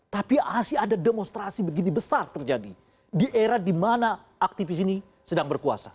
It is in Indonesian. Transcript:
tapi asli ada demonstrasi begini besar terjadi di era di mana aktivis ini sedang berkuasa